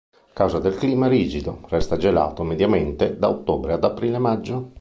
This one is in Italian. A causa del clima rigido, resta gelato, mediamente, da ottobre ad aprile-maggio.